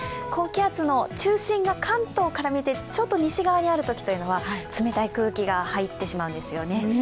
高気圧の中心が関東から見てちょっと西側にあるときは冷たい空気が入ってしまうんですよね。